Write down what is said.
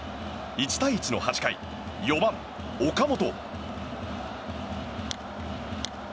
１対１の８回４番、岡本。